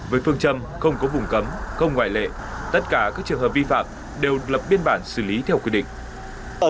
với phương châm không có vùng cấm không ngoại lệ tất cả các trường hợp vi phạm đều lập biên bản xử lý theo quy định